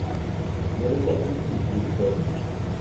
Mets le cap dessus, Wilson.